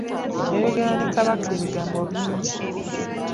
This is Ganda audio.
Yayogera ne Kabaka ebigambo bingi.